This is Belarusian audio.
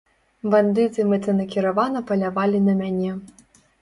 Бандыты мэтанакіравана палявалі на мяне.